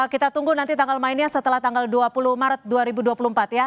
kita tunggu nanti tanggal mainnya setelah tanggal dua puluh maret dua ribu dua puluh empat ya